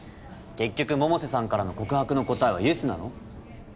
結局百瀬さんからの告白の答えはイエスなの？